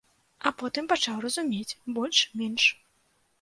А потым пачаў разумець больш-менш.